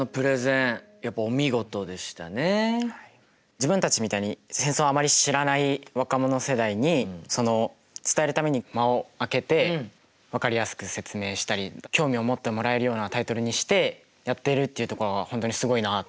自分たちみたいに戦争をあまり知らない若者世代にその伝えるために間をあけて分かりやすく説明したり興味を持ってもらえるようなタイトルにしてやっているっていうところが本当にすごいなっていうふうに思いました。